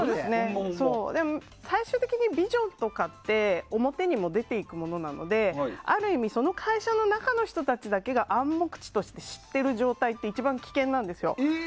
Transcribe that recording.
最終的にビジョンとかって表にも出ていくものなのである意味その会社の中の人たちが暗黙として知っている状態って一番危険なんです。